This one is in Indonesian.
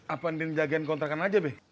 apa din jagain kontrakan aja be